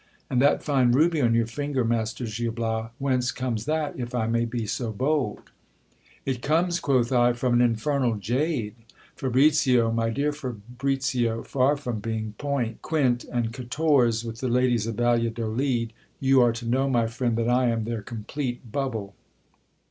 And that fine ruby on your finger, master Gil Bias, whence comes that, if I may be so bold ? It comes, quoth I, from an infernal jade. Fabricip, my dear Fabricio, far from being point, quint, and quatorze with the lacliesof Valladolid, you are to know, my friend, that I am their complete bubble.